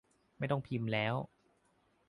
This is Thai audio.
ไม่ต้องพิมพ์แล้ว